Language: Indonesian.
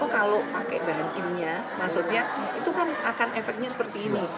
kalau pakai bahan kimia maksudnya itu kan akan efeknya seperti ini